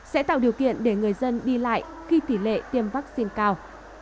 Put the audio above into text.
sẽ tạo điều kiện để người dân đi lại khi tỷ lệ tiêm vaccine cao